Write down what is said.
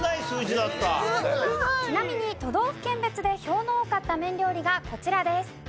ちなみに都道府県別で票の多かった麺料理がこちらです。